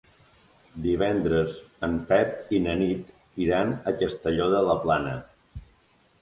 Divendres en Pep i na Nit iran a Castelló de la Plana.